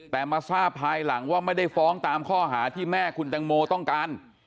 แต่มาทราบภายหลังว่าไม่ได้ฟ้องตามข้อหาที่แม่คุณตังโมต้องการ